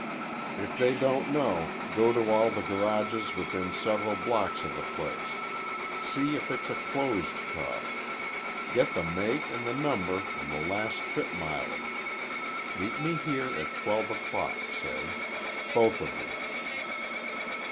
If they don't know, go to all the garages within several blocks of the place. See if it's a closed car. Get the make an' the number an' the last trip mileage. Meet me here at twelve o'clock, say. Both of you."